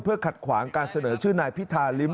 เพื่อขัดขวางการเสนอชื่อนายพิธาริม